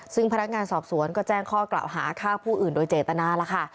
ซึ่งพนักงานสอบสวนก็แจ้งข้อกล่าวหาฆ่าผู้อื่นโดยเจตนาแล้วค่ะ